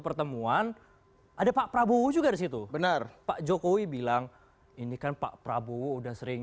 pertemuan ada pak prabowo juga disitu benar pak jokowi bilang ini kan pak prabowo udah sering